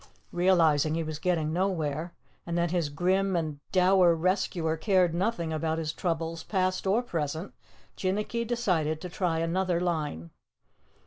Realizing he was getting nowhere and that his grim and dour rescuer cared nothing about his troubles, past or present, Jinnicky decided to try another line.